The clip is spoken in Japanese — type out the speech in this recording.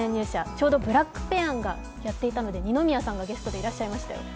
ちょうど「ブラックペアン」がやっていたので二宮さんがゲストでいらっしゃいましたよ。